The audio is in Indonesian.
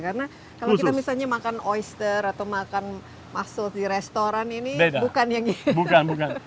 karena kalau kita misalnya makan oyster atau makan maksul di restoran ini bukan yang ini